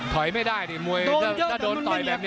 ถอยไม่ได้ดิถ้าโดนต่อยแบบนี้